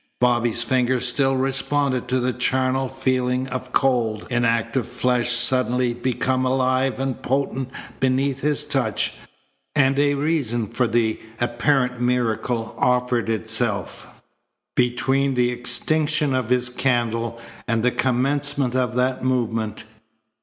Bobby's fingers still responded to the charnel feeling of cold, inactive flesh suddenly become alive and potent beneath his touch. And a reason for the apparent miracle offered itself. Between the extinction of his candle and the commencement of that movement!